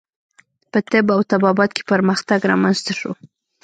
په طب او طبابت کې پرمختګ رامنځته شو.